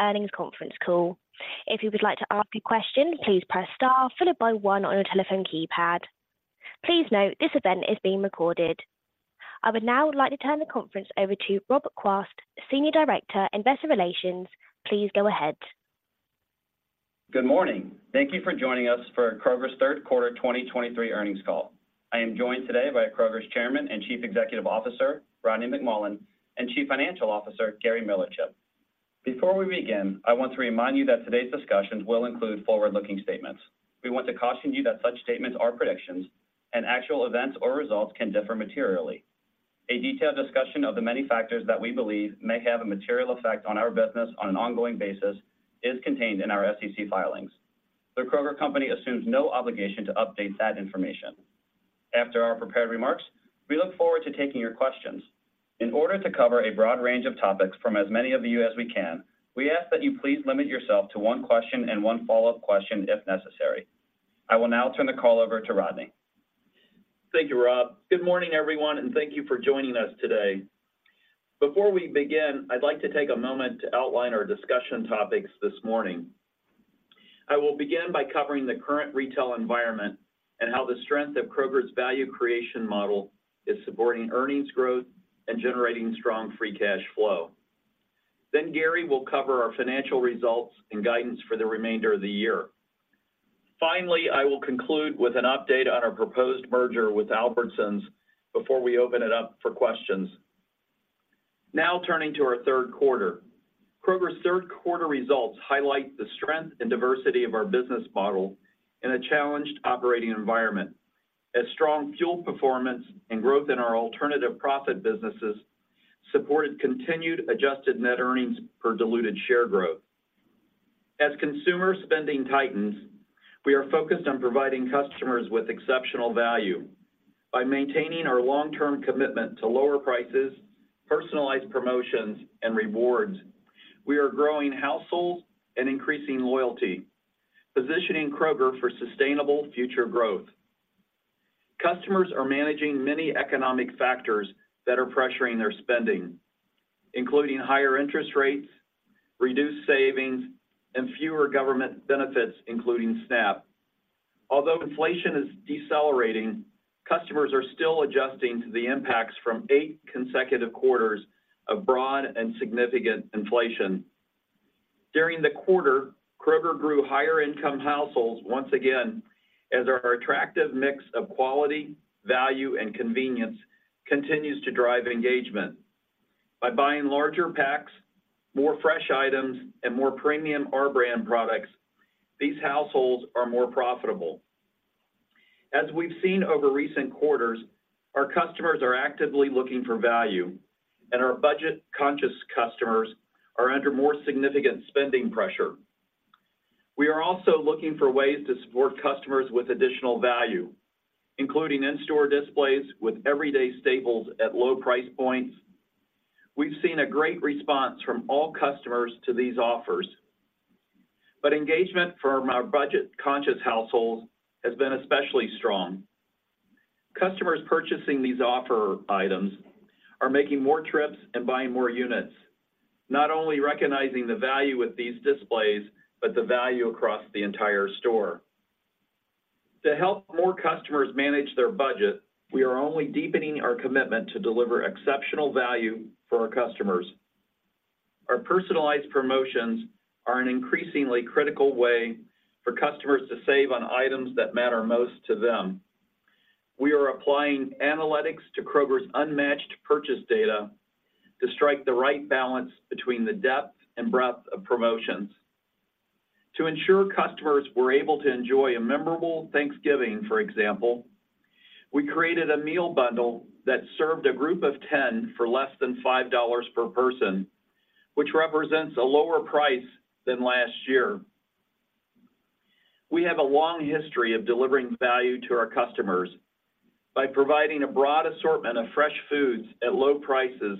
Earnings conference call. If you would like to ask a question, please press star followed by one on your telephone keypad. Please note, this event is being recorded. I would now like to turn the conference over to Robert Quast, Senior Director, Investor Relations. Please go ahead. Good morning. Thank you for joining us for Kroger's Third Quarter 2023 Earnings Call. I am joined today by Kroger's Chairman and Chief Executive Officer, Rodney McMullen, and Chief Financial Officer, Gary Millerchip. Before we begin, I want to remind you that today's discussions will include forward-looking statements. We want to caution you that such statements are predictions, and actual events or results can differ materially. A detailed discussion of the many factors that we believe may have a material effect on our business on an ongoing basis is contained in our SEC filings. The Kroger Company assumes no obligation to update that information. After our prepared remarks, we look forward to taking your questions. In order to cover a broad range of topics from as many of you as we can, we ask that you please limit yourself to one question and one follow-up question if necessary. I will now turn the call over to Rodney. Thank you, Rob. Good morning, everyone, and thank you for joining us today. Before we begin, I'd like to take a moment to outline our discussion topics this morning. I will begin by covering the current retail environment and how the strength of Kroger's value creation model is supporting earnings growth and generating strong free cash flow. Then Gary will cover our financial results and guidance for the remainder of the year. Finally, I will conclude with an update on our proposed merger with Albertsons before we open it up for questions. Now, turning to our third quarter. Kroger's third quarter results highlight the strength and diversity of our business model in a challenged operating environment, as strong fuel performance and growth in our alternative profit businesses supported continued adjusted net earnings per diluted share growth. As consumer spending tightens, we are focused on providing customers with exceptional value. By maintaining our long-term commitment to lower prices, personalized promotions, and rewards, we are growing households and increasing loyalty, positioning Kroger for sustainable future growth. Customers are managing many economic factors that are pressuring their spending, including higher interest rates, reduced savings, and fewer government benefits, including SNAP. Although inflation is decelerating, customers are still adjusting to the impacts from eight consecutive quarters of broad and significant inflation. During the quarter, Kroger grew higher-income households once again, as our attractive mix of quality, value, and convenience continues to drive engagement. By buying larger packs, more fresh items, and more premium our-brand products, these households are more profitable. As we've seen over recent quarters, our customers are actively looking for value, and our budget-conscious customers are under more significant spending pressure. We are also looking for ways to support customers with additional value, including in-store displays with everyday staples at low price points. We've seen a great response from all customers to these offers, but engagement from our budget-conscious households has been especially strong. Customers purchasing these offer items are making more trips and buying more units, not only recognizing the value of these displays, but the value across the entire store. To help more customers manage their budget, we are only deepening our commitment to deliver exceptional value for our customers. Our personalized promotions are an increasingly critical way for customers to save on items that matter most to them. We are applying analytics to Kroger's unmatched purchase data to strike the right balance between the depth and breadth of promotions. To ensure customers were able to enjoy a memorable Thanksgiving, for example, we created a meal bundle that served a group of 10 for less than $5 per person, which represents a lower price than last year. We have a long history of delivering value to our customers by providing a broad assortment of fresh foods at low prices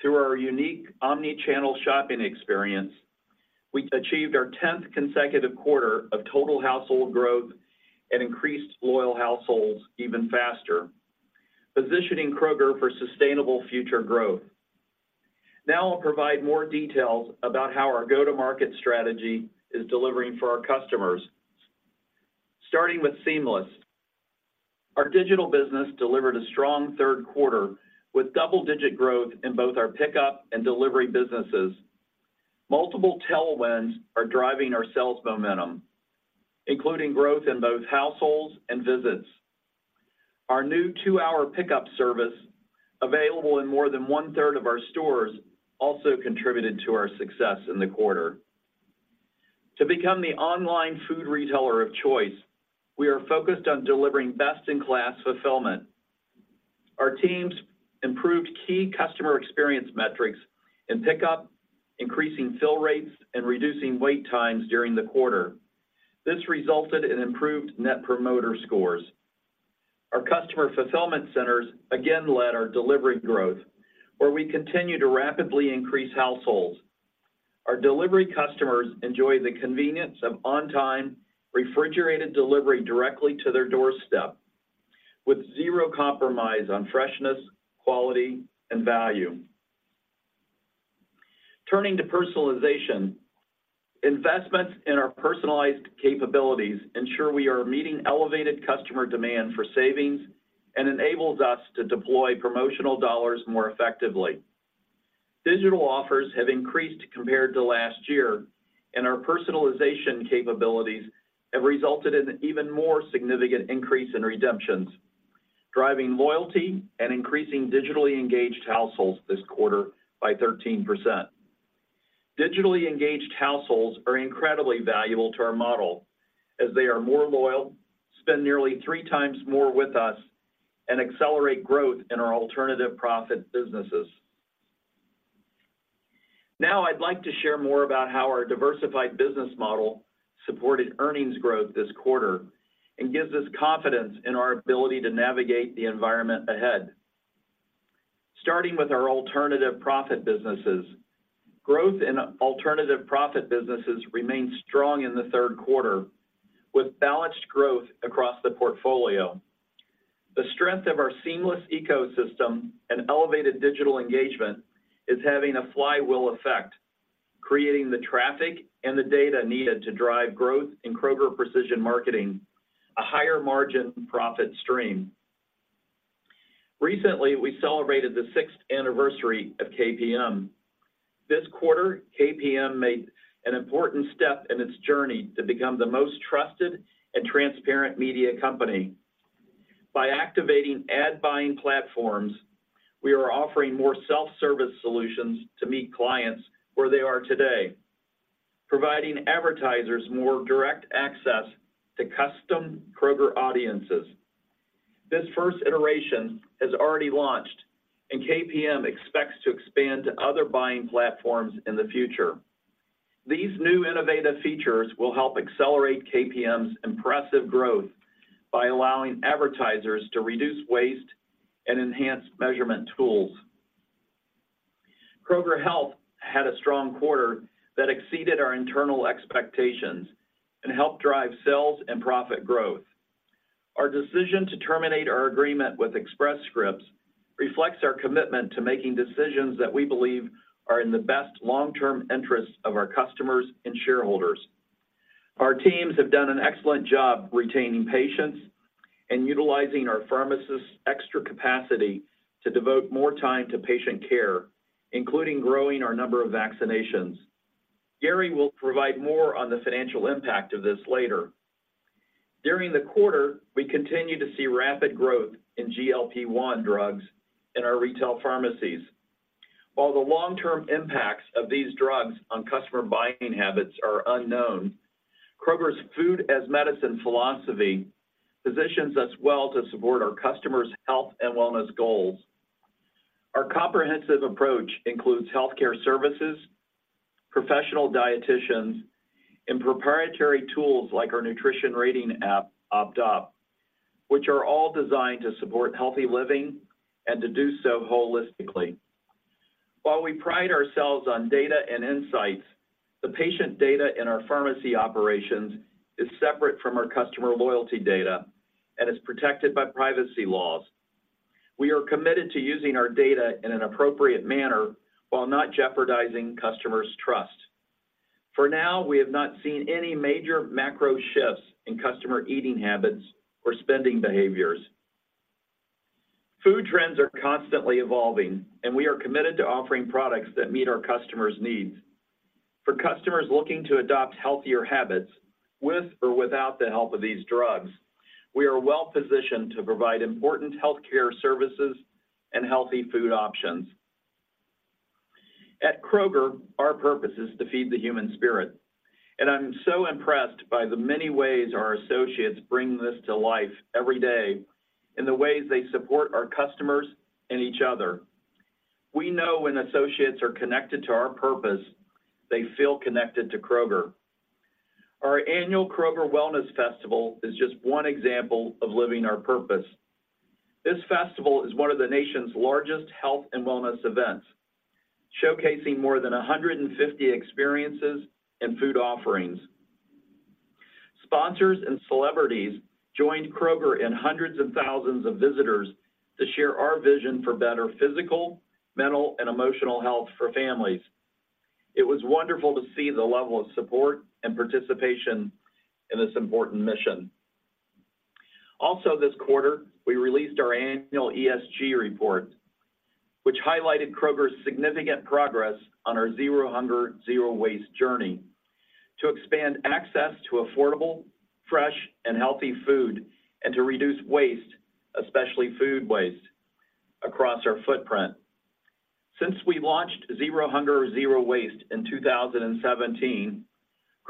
through our unique omni-channel shopping experience. We achieved our 10th consecutive quarter of total household growth and increased loyal households even faster, positioning Kroger for sustainable future growth. Now I'll provide more details about how our go-to-market strategy is delivering for our customers. Starting with Seamless. Our digital business delivered a strong third quarter with double-digit growth in both our pickup and delivery businesses. Multiple tailwinds are driving our sales momentum, including growth in both households and visits. Our new 2-hour pickup service, available in more than one-third of our stores, also contributed to our success in the quarter. To become the online food retailer of choice, we are focused on delivering best-in-class fulfillment. Our teams improved key customer experience metrics in pickup, increasing fill rates and reducing wait times during the quarter. This resulted in improved Net Promoter Scores. Our Customer Fulfillment Centers again led our delivery growth, where we continue to rapidly increase households. Our delivery customers enjoy the convenience of on-time, refrigerated delivery directly to their doorstep... with zero compromise on freshness, quality, and value. Turning to personalization, investments in our personalized capabilities ensure we are meeting elevated customer demand for savings and enables us to deploy promotional dollars more effectively. Digital offers have increased compared to last year, and our personalization capabilities have resulted in an even more significant increase in redemptions, driving loyalty and increasing digitally engaged households this quarter by 13%. Digitally engaged households are incredibly valuable to our model as they are more loyal, spend nearly three times more with us, and accelerate growth in our alternative profit businesses. Now, I'd like to share more about how our diversified business model supported earnings growth this quarter and gives us confidence in our ability to navigate the environment ahead. Starting with our alternative profit businesses. Growth in alternative profit businesses remained strong in the third quarter, with balanced growth across the portfolio. The strength of our seamless ecosystem and elevated digital engagement is having a flywheel effect, creating the traffic and the data needed to drive growth in Kroger Precision Marketing, a higher margin profit stream. Recently, we celebrated the sixth anniversary of KPM. This quarter, KPM made an important step in its journey to become the most trusted and transparent media company. By activating ad buying platforms, we are offering more self-service solutions to meet clients where they are today, providing advertisers more direct access to custom Kroger audiences. This first iteration has already launched, and KPM expects to expand to other buying platforms in the future. These new innovative features will help accelerate KPM's impressive growth by allowing advertisers to reduce waste and enhance measurement tools. Kroger Health had a strong quarter that exceeded our internal expectations and helped drive sales and profit growth. Our decision to terminate our agreement with Express Scripts reflects our commitment to making decisions that we believe are in the best long-term interests of our customers and shareholders. Our teams have done an excellent job retaining patients and utilizing our pharmacists' extra capacity to devote more time to patient care, including growing our number of vaccinations. Gary will provide more on the financial impact of this later. During the quarter, we continued to see rapid growth in GLP-1 drugs in our retail pharmacies. While the long-term impacts of these drugs on customer buying habits are unknown, Kroger's Food as Medicine philosophy positions us well to support our customers' health and wellness goals. Our comprehensive approach includes healthcare services, professional dieticians, and proprietary tools like our nutrition rating app, OptUp, which are all designed to support healthy living and to do so holistically. While we pride ourselves on data and insights, the patient data in our pharmacy operations is separate from our customer loyalty data and is protected by privacy laws. We are committed to using our data in an appropriate manner while not jeopardizing customers' trust. For now, we have not seen any major macro shifts in customer eating habits or spending behaviors. Food trends are constantly evolving, and we are committed to offering products that meet our customers' needs. For customers looking to adopt healthier habits, with or without the help of these drugs, we are well positioned to provide important healthcare services and healthy food options. At Kroger, our purpose is to feed the human spirit, and I'm so impressed by the many ways our associates bring this to life every day in the ways they support our customers and each other. We know when associates are connected to our purpose, they feel connected to Kroger. Our annual Kroger Wellness Festival is just one example of living our purpose. This festival is one of the nation's largest health and wellness events, showcasing more than 150 experiences and food offerings. Sponsors and celebrities joined Kroger and hundreds of thousands of visitors to share our vision for better physical, mental, and emotional health for families. It was wonderful to see the level of support and participation in this important mission. Also, this quarter, we released our annual ESG report, which highlighted Kroger's significant progress on our Zero Hunger, Zero Waste journey to expand access to affordable, fresh, and healthy food and to reduce waste, especially food waste, across our footprint. Since we launched Zero Hunger, Zero Waste in 2017,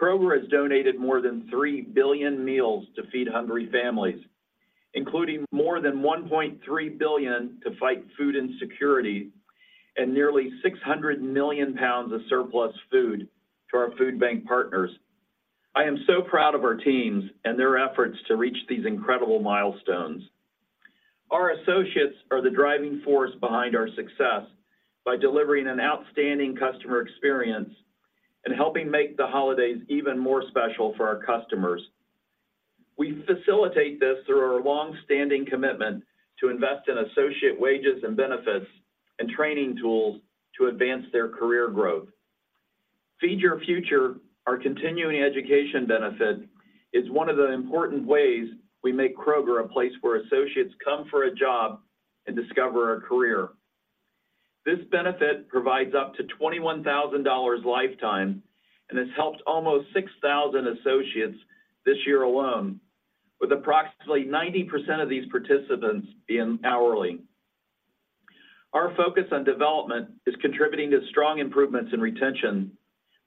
Kroger has donated more than 3 billion meals to feed hungry families, including more than 1.3 billion to fight food insecurity and nearly 600 million pounds of surplus food to our food bank partners. I am so proud of our teams and their efforts to reach these incredible milestones. Our associates are the driving force behind our success by delivering an outstanding customer experience and helping make the holidays even more special for our customers. We facilitate this through our long-standing commitment to invest in associate wages and benefits and training tools to advance their career growth. Feed Your Future, our continuing education benefit, is one of the important ways we make Kroger a place where associates come for a job and discover a career. This benefit provides up to $21,000 lifetime, and has helped almost 6,000 associates this year alone, with approximately 90% of these participants being hourly. Our focus on development is contributing to strong improvements in retention,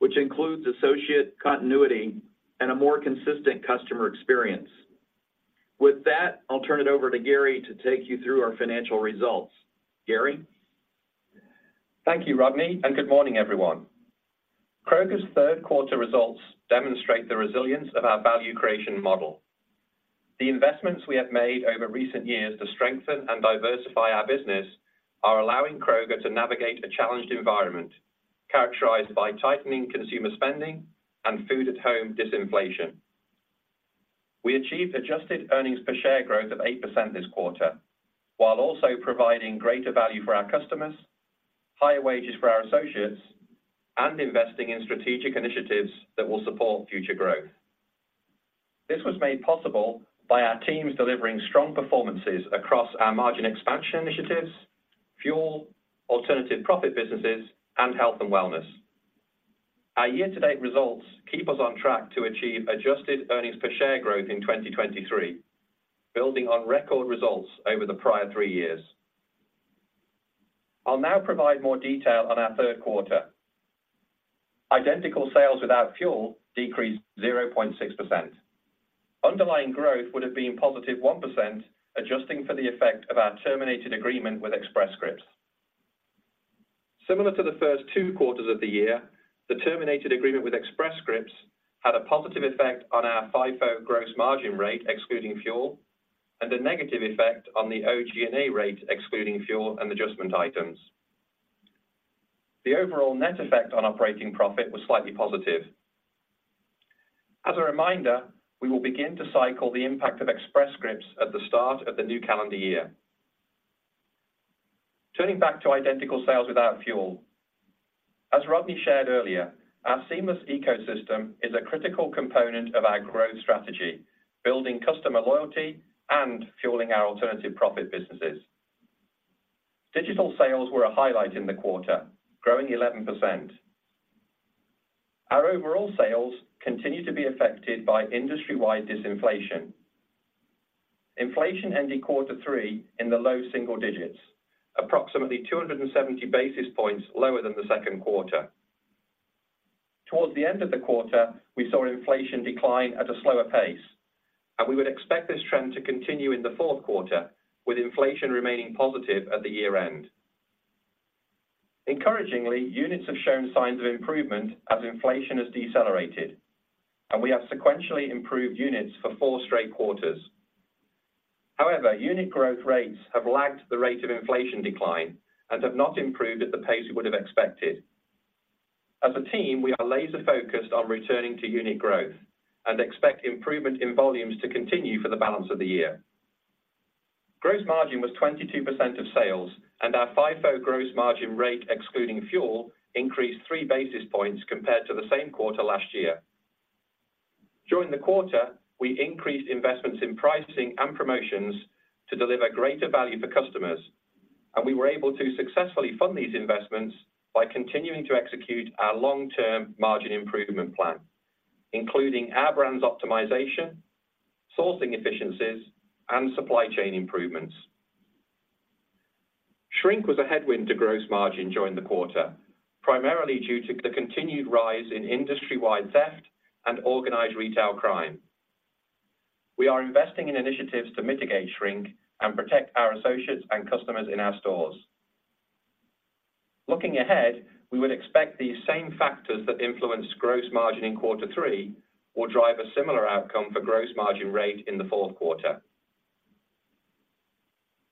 which includes associate continuity and a more consistent customer experience. With that, I'll turn it over to Gary to take you through our financial results. Gary? Thank you, Rodney, and good morning, everyone. Kroger's third quarter results demonstrate the resilience of our value creation model. The investments we have made over recent years to strengthen and diversify our business are allowing Kroger to navigate a challenged environment, characterized by tightening consumer spending and food at home disinflation. We achieved adjusted earnings per share growth of 8% this quarter, while also providing greater value for our customers, higher wages for our associates, and investing in strategic initiatives that will support future growth. This was made possible by our teams delivering strong performances across our margin expansion initiatives, fuel, alternative profit businesses, and health and wellness. Our year-to-date results keep us on track to achieve adjusted earnings per share growth in 2023, building on record results over the prior three years. I'll now provide more detail on our third quarter. Identical Sales without fuel decreased 0.6%. Underlying growth would have been +1%, adjusting for the effect of our terminated agreement with Express Scripts. Similar to the first two quarters of the year, the terminated agreement with Express Scripts had a positive effect on our FIFO gross margin rate, excluding fuel, and a negative effect on the OG&A rate, excluding fuel and adjustment items. The overall net effect on operating profit was slightly positive. As a reminder, we will begin to cycle the impact of Express Scripts at the start of the new calendar year. Turning back to Identical Sales without fuel. As Rodney shared earlier, our seamless ecosystem is a critical component of our growth strategy, building customer loyalty and fueling our alternative profit businesses. Digital sales were a highlight in the quarter, growing 11%. Our overall sales continue to be affected by industry-wide disinflation. Inflation ending quarter three in the low single digits, approximately 270 basis points lower than the second quarter. Towards the end of the quarter, we saw inflation decline at a slower pace, and we would expect this trend to continue in the fourth quarter, with inflation remaining positive at the year-end. Encouragingly, units have shown signs of improvement as inflation has decelerated, and we have sequentially improved units for four straight quarters. However, unit growth rates have lagged the rate of inflation decline and have not improved at the pace we would have expected. As a team, we are laser-focused on returning to unit growth and expect improvement in volumes to continue for the balance of the year. Gross margin was 22% of sales, and our FIFO gross margin rate, excluding fuel, increased 3 basis points compared to the same quarter last year. During the quarter, we increased investments in pricing and promotions to deliver greater value for customers, and we were able to successfully fund these investments by continuing to execute our long-term margin improvement plan, including Our Brands optimization, sourcing efficiencies, and supply chain improvements. Shrink was a headwind to gross margin during the quarter, primarily due to the continued rise in industry-wide theft and organized retail crime. We are investing in initiatives to mitigate shrink and protect our associates and customers in our stores. Looking ahead, we would expect these same factors that influence gross margin in quarter three will drive a similar outcome for gross margin rate in the fourth quarter.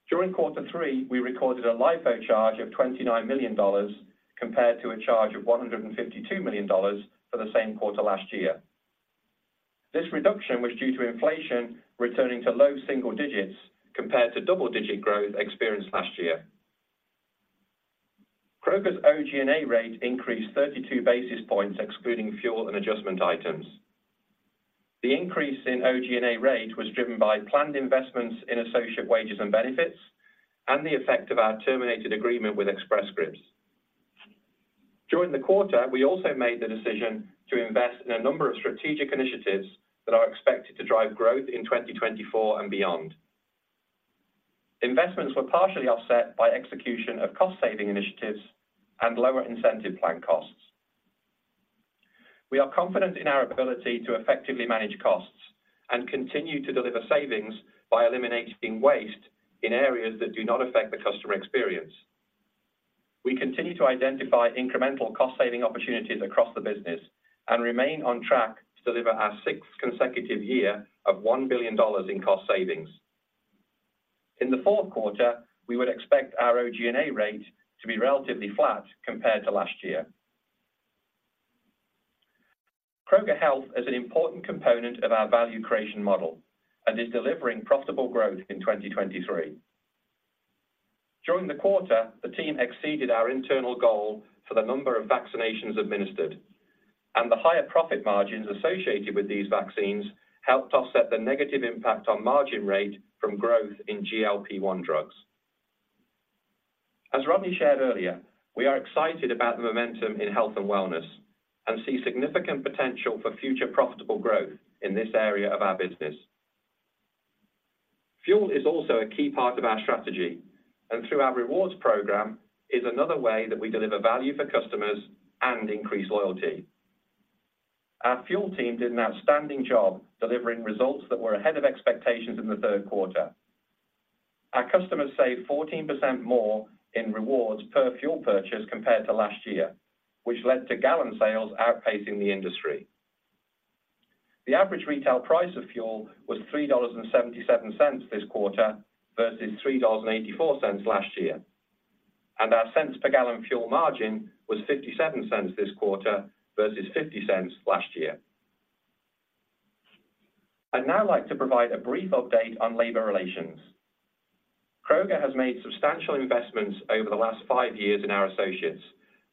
During quarter three, we recorded a LIFO charge of $29 million compared to a charge of $152 million for the same quarter last year. This reduction was due to inflation returning to low single digits compared to double-digit growth experienced last year. Kroger's OG&A rate increased 32 basis points, excluding fuel and adjustment items. The increase in OG&A rate was driven by planned investments in associate wages and benefits and the effect of our terminated agreement with Express Scripts. During the quarter, we also made the decision to invest in a number of strategic initiatives that are expected to drive growth in 2024 and beyond. Investments were partially offset by execution of cost-saving initiatives and lower incentive plan costs. We are confident in our ability to effectively manage costs and continue to deliver savings by eliminating waste in areas that do not affect the customer experience. We continue to identify incremental cost-saving opportunities across the business and remain on track to deliver our sixth consecutive year of $1 billion in cost savings. In the fourth quarter, we would expect our OG&A rate to be relatively flat compared to last year. Kroger Health is an important component of our value creation model and is delivering profitable growth in 2023. During the quarter, the team exceeded our internal goal for the number of vaccinations administered, and the higher profit margins associated with these vaccines helped offset the negative impact on margin rate from growth in GLP-1 drugs. As Rodney shared earlier, we are excited about the momentum in health and wellness and see significant potential for future profitable growth in this area of our business. Fuel is also a key part of our strategy, and through our rewards program, is another way that we deliver value for customers and increase loyalty. Our fuel team did an outstanding job delivering results that were ahead of expectations in the third quarter. Our customers saved 14% more in rewards per fuel purchase compared to last year, which led to gallon sales outpacing the industry. The average retail price of fuel was $3.77 this quarter, versus $3.84 last year, and our cents per gallon fuel margin was $0.57 this quarter, versus $0.50 last year. I'd now like to provide a brief update on labor relations. Kroger has made substantial investments over the last 5 years in our associates,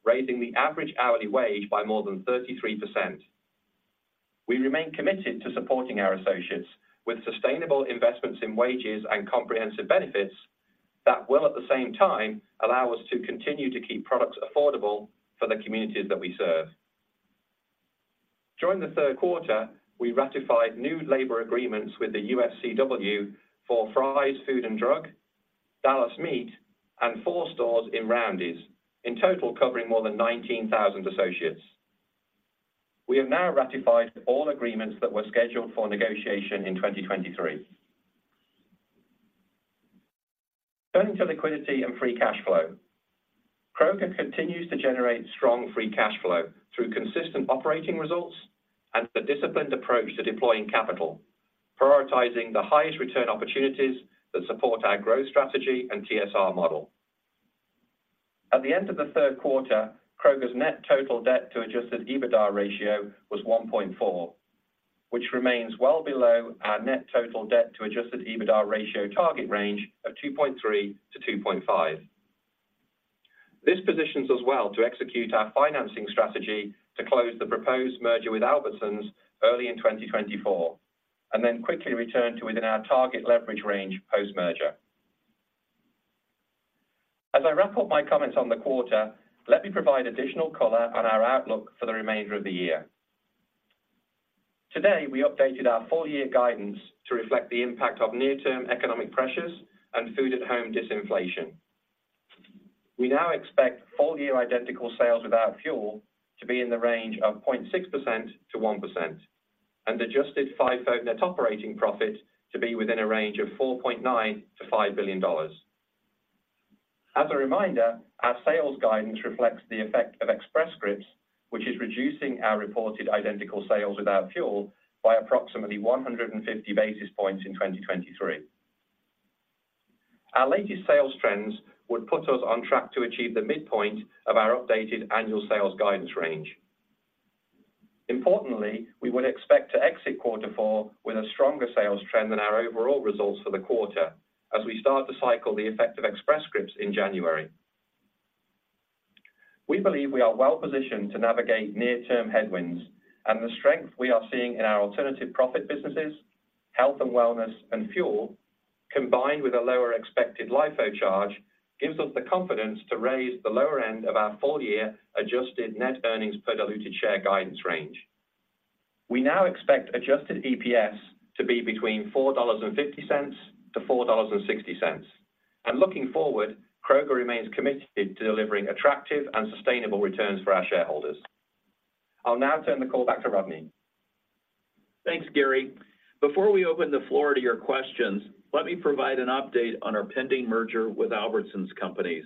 raising the average hourly wage by more than 33%. We remain committed to supporting our associates with sustainable investments in wages and comprehensive benefits that will, at the same time, allow us to continue to keep products affordable for the communities that we serve. During the third quarter, we ratified new labor agreements with the UFCW for Fry's Food and Drug, Dallas Meat, and 4 stores in Roundy's, in total, covering more than 19,000 associates. We have now ratified all agreements that were scheduled for negotiation in 2023. Turning to liquidity and free cash flow. Kroger continues to generate strong free cash flow through consistent operating results and a disciplined approach to deploying capital, prioritizing the highest return opportunities that support our growth strategy and TSR model. At the end of the third quarter, Kroger's net total debt to Adjusted EBITDA ratio was 1.4, which remains well below our net total debt to Adjusted EBITDA ratio target range of 2.3-2.5. This positions us well to execute our financing strategy to close the proposed merger with Albertsons early in 2024, and then quickly return to within our target leverage range post-merger. As I wrap up my comments on the quarter, let me provide additional color on our outlook for the remainder of the year. Today, we updated our full-year guidance to reflect the impact of near-term economic pressures and food-at-home disinflation. We now expect full-year identical sales without fuel to be in the range of 0.6%-1% and adjusted FIFO net operating profit to be within a range of $4.9 billion-$5 billion. As a reminder, our sales guidance reflects the effect of Express Scripts, which is reducing our reported identical sales without fuel by approximately 150 basis points in 2023. Our latest sales trends would put us on track to achieve the midpoint of our updated annual sales guidance range. Importantly, we would expect to exit quarter four with a stronger sales trend than our overall results for the quarter as we start to cycle the effect of Express Scripts in January. We believe we are well positioned to navigate near-term headwinds and the strength we are seeing in our alternative profit businesses, health and wellness, and fuel, combined with a lower expected LIFO charge, gives us the confidence to raise the lower end of our full-year adjusted net earnings per diluted share guidance range. We now expect adjusted EPS to be between $4.50-$4.60. Looking forward, Kroger remains committed to delivering attractive and sustainable returns for our shareholders. I'll now turn the call back to Rodney. Thanks, Gary. Before we open the floor to your questions, let me provide an update on our pending merger with Albertsons Companies.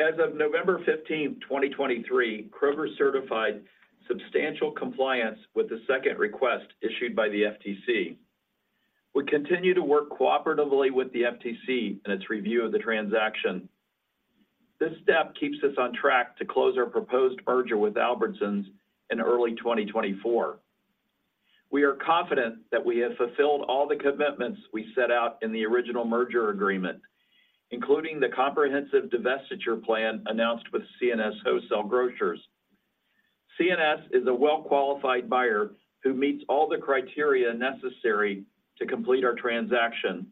As of November 15, 2023, Kroger certified substantial compliance with the second request issued by the FTC. We continue to work cooperatively with the FTC in its review of the transaction. This step keeps us on track to close our proposed merger with Albertsons in early 2024. We are confident that we have fulfilled all the commitments we set out in the original merger agreement, including the comprehensive divestiture plan announced with C&S Wholesale Grocers. C&S is a well-qualified buyer who meets all the criteria necessary to complete our transaction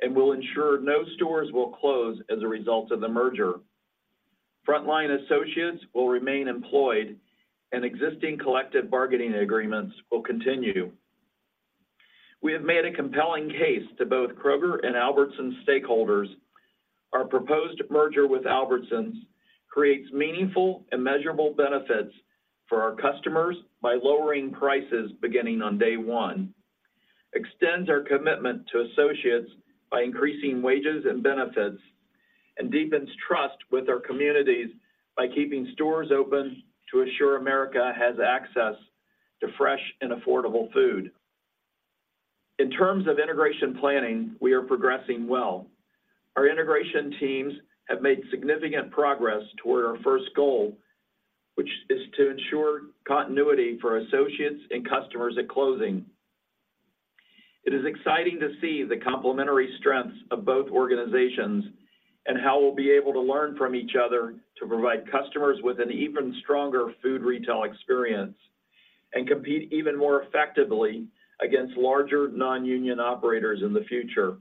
and will ensure no stores will close as a result of the merger. Frontline associates will remain employed and existing collective bargaining agreements will continue. We have made a compelling case to both Kroger and Albertsons stakeholders. Our proposed merger with Albertsons creates meaningful and measurable benefits for our customers by lowering prices beginning on day one, extends our commitment to associates by increasing wages and benefits-... and deepens trust with our communities by keeping stores open to assure America has access to fresh and affordable food. In terms of integration planning, we are progressing well. Our integration teams have made significant progress toward our first goal, which is to ensure continuity for associates and customers at closing. It is exciting to see the complementary strengths of both organizations and how we'll be able to learn from each other to provide customers with an even stronger food retail experience, and compete even more effectively against larger non-union operators in the future.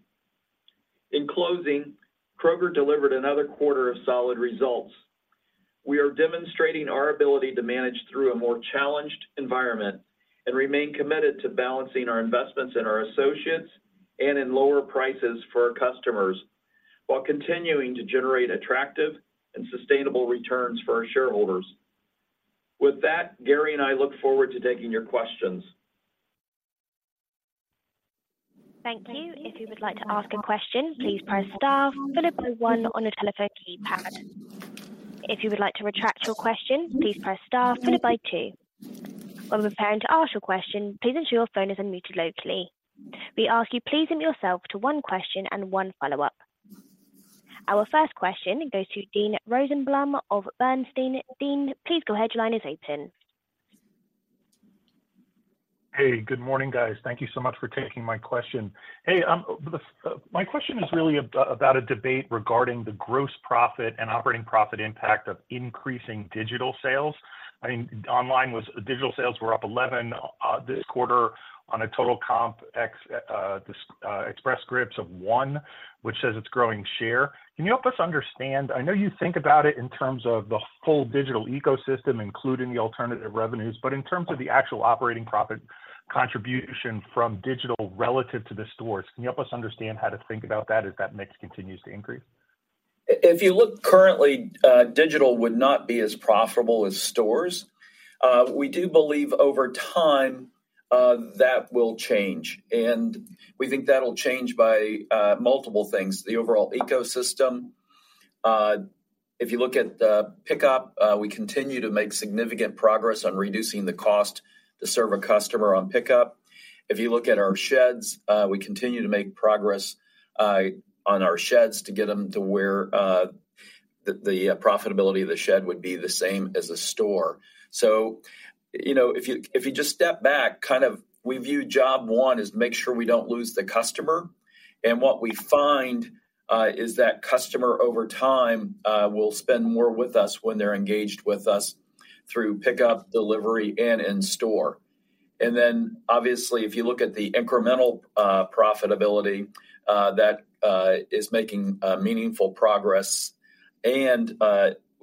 In closing, Kroger delivered another quarter of solid results. We are demonstrating our ability to manage through a more challenged environment and remain committed to balancing our investments in our associates and in lower prices for our customers, while continuing to generate attractive and sustainable returns for our shareholders. With that, Gary and I look forward to taking your questions. Thank you. If you would like to ask a question, please press star followed by one on your telephone keypad. If you would like to retract your question, please press star followed by two. While preparing to ask your question, please ensure your phone is unmuted locally. We ask you please limit yourself to one question and one follow-up. Our first question goes to Dean Rosenblum of Bernstein. Dean, please go ahead. Your line is open. Hey, good morning, guys. Thank you so much for taking my question. Hey, my question is really about a debate regarding the gross profit and operating profit impact of increasing digital sales. I mean, digital sales were up 11% this quarter on a total comp ex-Express Scripts of 1%, which says it's growing share. Can you help us understand? I know you think about it in terms of the whole digital ecosystem, including the alternative revenues, but in terms of the actual operating profit contribution from digital relative to the stores, can you help us understand how to think about that as that mix continues to increase? If you look currently, digital would not be as profitable as stores. We do believe over time that will change, and we think that'll change by multiple things, the overall ecosystem. If you look at pickup, we continue to make significant progress on reducing the cost to serve a customer on pickup. If you look at our sheds, we continue to make progress on our sheds to get them to where the profitability of the shed would be the same as a store. So, you know, if you just step back, kind of, we view job one as make sure we don't lose the customer, and what we find is that customer over time will spend more with us when they're engaged with us through pickup, delivery, and in store. Then obviously, if you look at the incremental profitability that is making meaningful progress.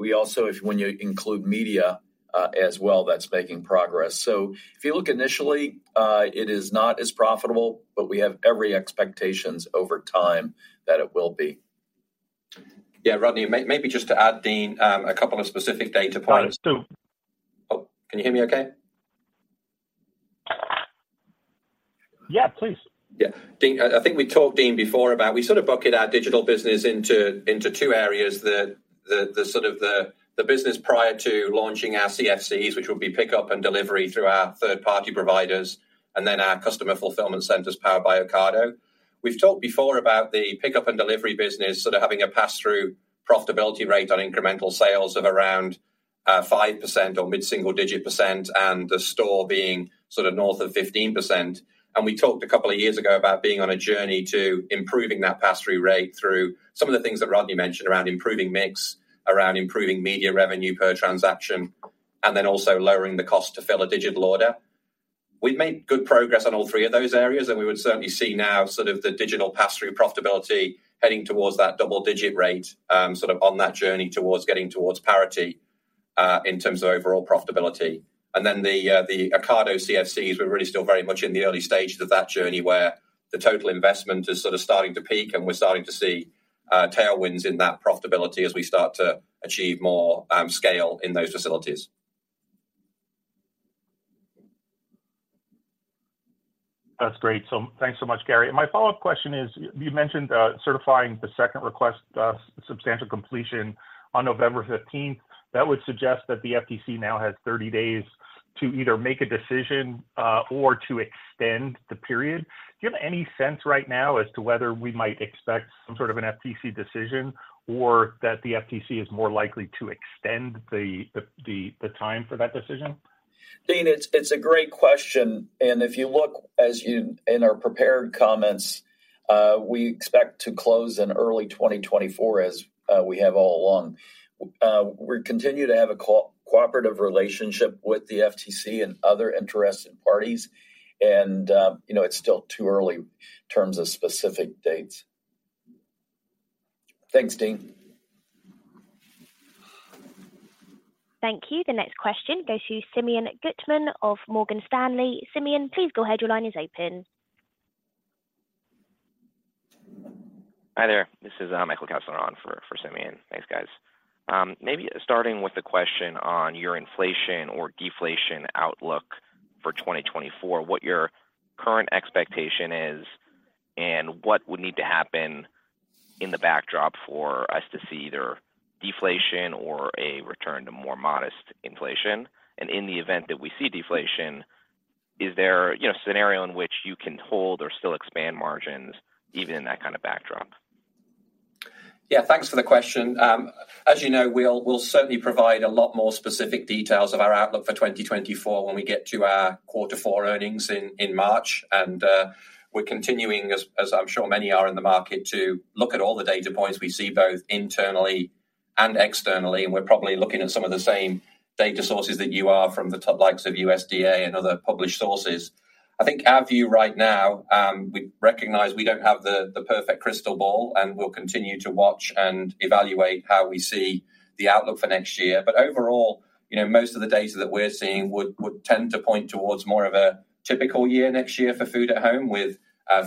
We also, if when you include media as well, that's making progress. If you look initially, it is not as profitable, but we have every expectations over time that it will be. Yeah, Rodney, maybe just to add, Dean, a couple of specific data points. Sure. Oh, can you hear me okay? Yeah, please. Yeah. Dean, I think we talked, Dean, before about we sort of bucket our digital business into two areas. The sort of business prior to launching our CFCs, which will be pickup and delivery through our third-party providers, and then our customer fulfillment centers powered by Ocado. We've talked before about the pickup and delivery business sort of having a pass-through profitability rate on incremental sales of around 5% or mid-single-digit %, and the store being sort of north of 15%. And we talked a couple of years ago about being on a journey to improving that pass-through rate through some of the things that Rodney mentioned around improving mix, around improving media revenue per transaction, and then also lowering the cost to fill a digital order. We've made good progress on all three of those areas, and we would certainly see now sort of the digital pass-through profitability heading towards that double-digit rate, sort of on that journey towards getting towards parity, in terms of overall profitability. And then the Ocado CFCs, we're really still very much in the early stages of that journey, where the total investment is sort of starting to peak, and we're starting to see tailwinds in that profitability as we start to achieve more scale in those facilities. That's great. So thanks so much, Gary. My follow-up question is, you mentioned certifying the second request substantial completion on November fifteenth. That would suggest that the FTC now has 30 days to either make a decision, or to extend the period. Do you have any sense right now as to whether we might expect some sort of an FTC decision or that the FTC is more likely to extend the time for that decision? Dean, it's, it's a great question, and if you look as you... in our prepared comments, we expect to close in early 2024, as we have all along. We continue to have a cooperative relationship with the FTC and other interested parties, and, you know, it's still too early in terms of specific dates. Thanks, Dean. Thank you. The next question goes to Simeon Gutman of Morgan Stanley. Simeon, please go ahead. Your line is open. Hi, there. This is Michael Kessler on for Simeon. Thanks, guys. Maybe starting with the question on your inflation or deflation outlook for 2024, what your current expectation is, and what would need to happen in the backdrop for us to see either deflation or a return to more modest inflation? And in the event that we see deflation, is there, you know, a scenario in which you can hold or still expand margins even in that kind of backdrop? Yeah, thanks for the question. As you know, we'll certainly provide a lot more specific details of our outlook for 2024 when we get to our quarter four earnings in March. And we're continuing, as I'm sure many are in the market, to look at all the data points we see, both internally and externally. And we're probably looking at some of the same data sources that you are from the top likes of USDA and other published sources. I think our view right now, we recognize we don't have the perfect crystal ball, and we'll continue to watch and evaluate how we see the outlook for next year. But overall, you know, most of the data that we're seeing would tend to point towards more of a typical year next year for food at home, with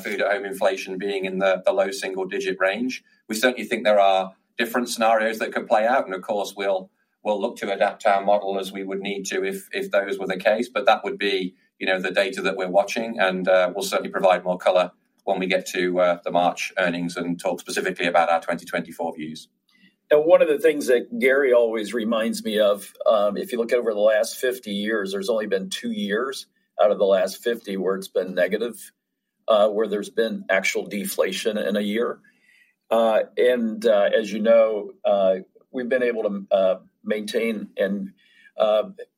food at home inflation being in the low single-digit range. We certainly think there are different scenarios that could play out, and of course, we'll look to adapt our model as we would need to, if those were the case. But that would be, you know, the data that we're watching, and we'll certainly provide more color when we get to the March earnings and talk specifically about our 2024 views. And one of the things that Gary always reminds me of, if you look over the last 50 years, there's only been 2 years out of the last 50 where it's been negative, where there's been actual deflation in a year. And, as you know, we've been able to, maintain and,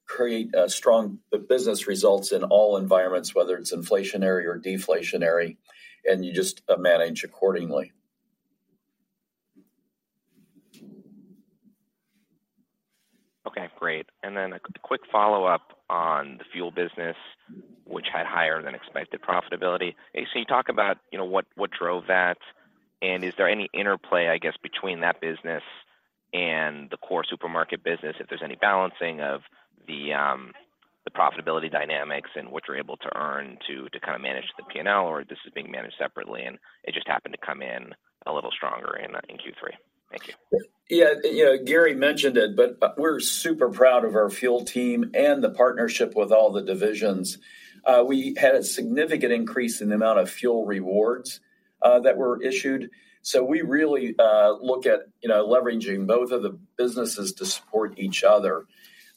create, strong business results in all environments, whether it's inflationary or deflationary, and you just, manage accordingly. Okay, great. And then a quick follow-up on the fuel business, which had higher than expected profitability. So you talk about, you know, what drove that, and is there any interplay, I guess, between that business and the core supermarket business? If there's any balancing of the profitability dynamics and what you're able to earn to kind of manage the P&L, or this is being managed separately, and it just happened to come in a little stronger in Q3. Thank you. Yeah, you know, Gary mentioned it, but we're super proud of our fuel team and the partnership with all the divisions. We had a significant increase in the amount of fuel rewards that were issued, so we really look at, you know, leveraging both of the businesses to support each other.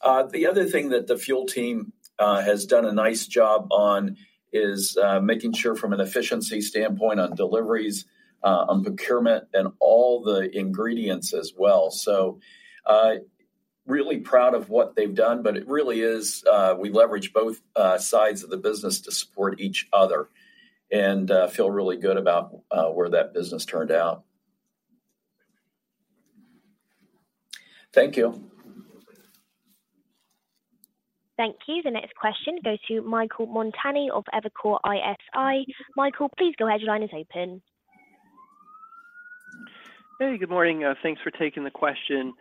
The other thing that the fuel team has done a nice job on is making sure from an efficiency standpoint on deliveries, on procurement, and all the ingredients as well. So, really proud of what they've done, but it really is we leverage both sides of the business to support each other and feel really good about where that business turned out. Thank you. Thank you. The next question goes to Michael Montani of Evercore ISI. Michael, please go ahead. Your line is open. Hey, good morning. Thanks for taking the question.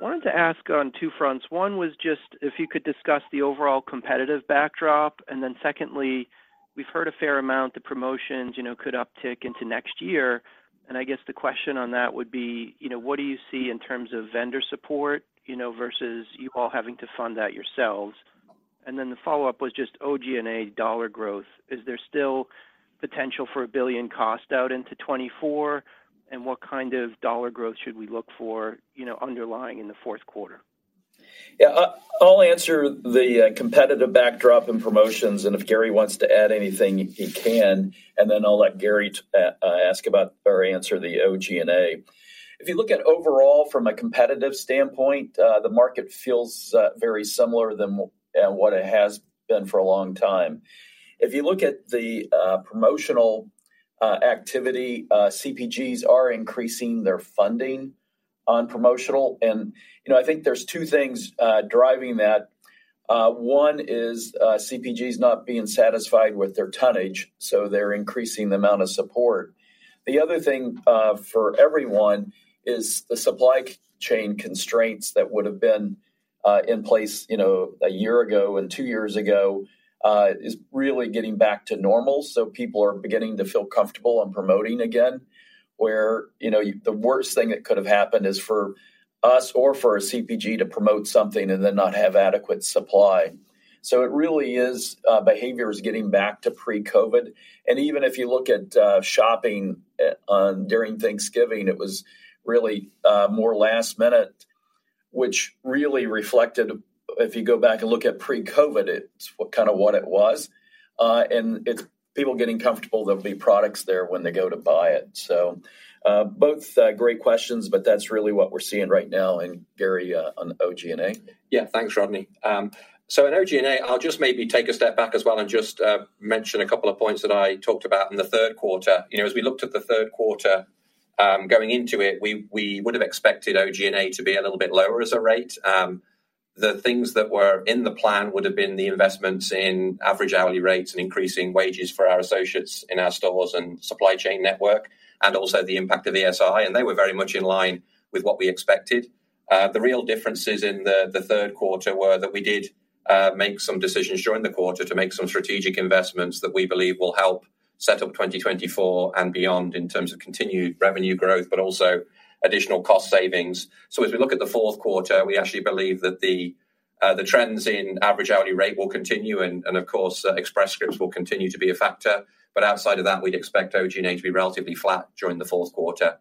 Wanted to ask on two fronts. One was just if you could discuss the overall competitive backdrop, and then secondly, we've heard a fair amount that promotions, you know, could uptick into next year. And I guess the question on that would be: you know, what do you see in terms of vendor support, you know, versus you all having to fund that yourselves? And then the follow-up was just OG&A dollar growth. Is there still potential for a $1 billion cost out into 2024? And what kind of dollar growth should we look for, you know, underlying in the fourth quarter? Yeah, I'll answer the competitive backdrop and promotions, and if Gary wants to add anything, he can. And then I'll let Gary ask about or answer the OG&A. If you look at overall from a competitive standpoint, the market feels very similar than what it has been for a long time. If you look at the promotional activity, CPGs are increasing their funding on promotional. And, you know, I think there's two things driving that. One is CPGs not being satisfied with their tonnage, so they're increasing the amount of support. The other thing for everyone is the supply chain constraints that would have been in place, you know, a year ago and two years ago is really getting back to normal. So people are beginning to feel comfortable on promoting again, where, you know, the worst thing that could have happened is for us or for a CPG to promote something and then not have adequate supply. So it really is, behavior is getting back to pre-COVID. And even if you look at, shopping, during Thanksgiving, it was really, more last minute, which really reflected... If you go back and look at pre-COVID, it's kind of what it was. And it's people getting comfortable there'll be products there when they go to buy it. So, both, great questions, but that's really what we're seeing right now. And Gary, on OG&A. Yeah, thanks, Rodney. So in OG&A, I'll just maybe take a step back as well and just mention a couple of points that I talked about in the third quarter. You know, as we looked at the third quarter, going into it, we would have expected OG&A to be a little bit lower as a rate. The things that were in the plan would have been the investments in average hourly rates and increasing wages for our associates in our stores and supply chain network, and also the impact of ESI, and they were very much in line with what we expected. The real differences in the third quarter were that we did make some decisions during the quarter to make some strategic investments that we believe will help set up 2024 and beyond in terms of continued revenue growth, but also additional cost savings. So as we look at the fourth quarter, we actually believe that the trends in average hourly rate will continue, and of course, Express Scripts will continue to be a factor. But outside of that, we'd expect OG&A to be relatively flat during the fourth quarter.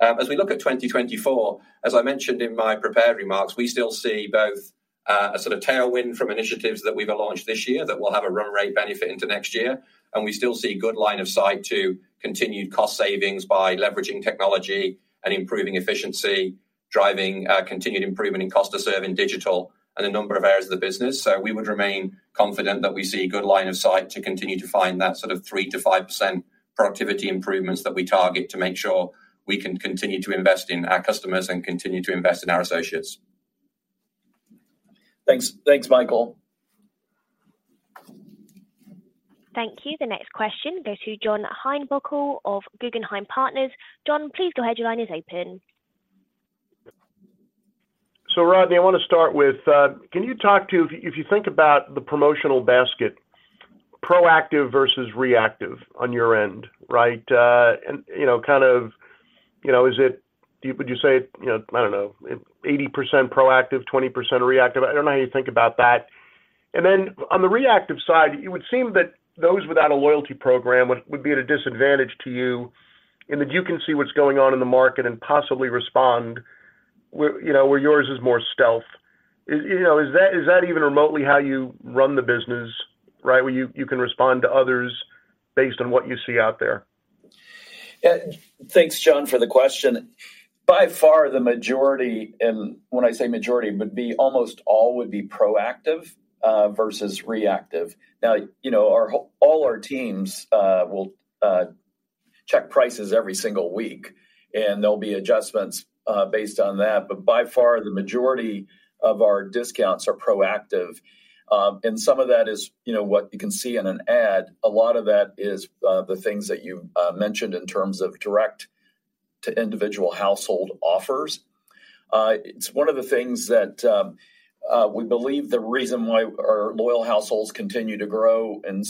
As we look at 2024, as I mentioned in my prepared remarks, we still see both a sort of tailwind from initiatives that we've launched this year that will have a run rate benefit into next year. We still see good line of sight to continued cost savings by leveraging technology and improving efficiency, driving continued improvement in cost to serve in digital and a number of areas of the business. We would remain confident that we see good line of sight to continue to find that sort of 3%-5% productivity improvements that we target, to make sure we can continue to invest in our customers and continue to invest in our associates. Thanks. Thanks, Michael. Thank you. The next question goes to John Heinbockel of Guggenheim Partners. John, please go ahead. Your line is open. So, Rodney, I wanna start with... Can you talk to, if you think about the promotional basket, proactive versus reactive on your end, right? And, you know, kind of, you know, is it- would you say, you know, I don't know, 80% proactive, 20% reactive? I don't know how you think about that. And then on the reactive side, it would seem that those without a loyalty program would be at a disadvantage to you, and that you can see what's going on in the market and possibly respond, where, you know, where yours is more stealth. Is, you know, is that even remotely how you run the business, right? Where you can respond to others based on what you see out there? Yeah. Thanks, John, for the question. By far, the majority, and when I say majority, would be almost all would be proactive versus reactive. Now, you know, all our teams will check prices every single week, and there'll be adjustments based on that. But by far, the majority of our discounts are proactive. And some of that is, you know, what you can see in an ad. A lot of that is the things that you mentioned in terms of direct to individual household offers. It's one of the things that we believe the reason why our loyal households continue to grow, and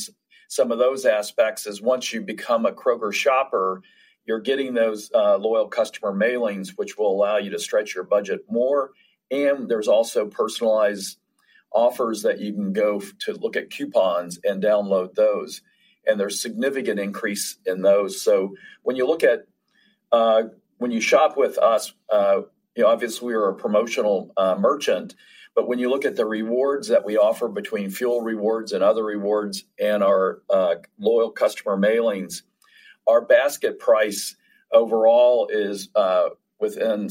some of those aspects, is once you become a Kroger shopper, you're getting those loyal customer mailings, which will allow you to stretch your budget more. And there's also personalized offers that you can go to look at coupons and download those, and there's significant increase in those. So when you look at, when you shop with us, you know, obviously, we are a promotional merchant, but when you look at the rewards that we offer between fuel rewards and other rewards and our loyal customer mailings, our basket price overall is within,